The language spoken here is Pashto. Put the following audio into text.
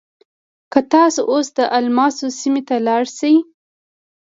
که تاسو اوس د الماسو سیمې ته لاړ شئ.